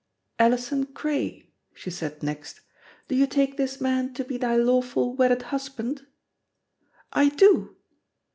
"Alison Cray," she said next, "do you take this man to be thy lawful wedded husband?" "I do."